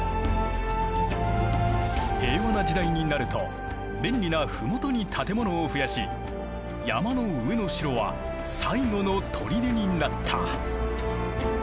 平和な時代になると便利なふもとに建物を増やし山の上の城は最後の砦になった。